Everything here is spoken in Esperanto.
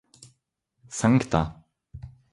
sankta